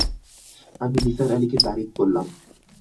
আমি নিসার আলিকে তারিখ বললাম।